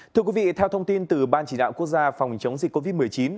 thưa quý vị theo thông tin từ ban chỉ đạo quốc gia phòng chống dịch covid một mươi chín